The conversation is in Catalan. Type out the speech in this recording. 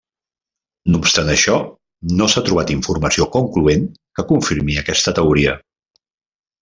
No obstant això, no s'ha trobat informació concloent que confirmi aquesta teoria.